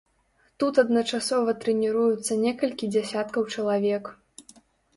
Тут адначасова трэніруюцца некалькі дзясяткаў чалавек.